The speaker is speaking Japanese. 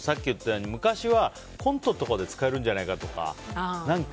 あと、昔はコントとかで使えるんじゃないかとか。